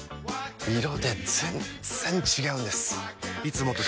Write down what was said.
色で全然違うんです！